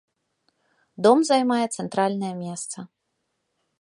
Дом займае цэнтральнае месца.